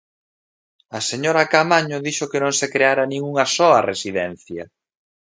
A señora Caamaño dixo que non se creara nin unha soa residencia.